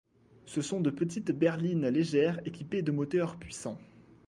Ce sont de petites berlines légères équipées de moteurs puissants.